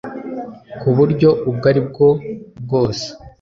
Ku buryo ubwo aribwo bwose